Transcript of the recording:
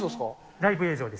ライブ映像です。